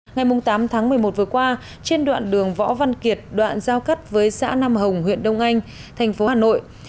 ngày tám tháng một mươi một vừa qua trên đoạn đường võ văn kiệt đoạn giao cắt với xã nam hồng huyện đông anh thành phố hà nội